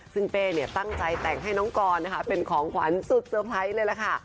ซึ่งเป้เนี่ยตั้งใจแต่งให้น้องกรนะคะเป็นของขวัญสุดเตอร์ไพรส์เลยล่ะค่ะ